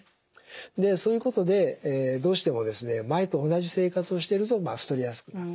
でそういうことでどうしても前と同じ生活をしてると太りやすくなる。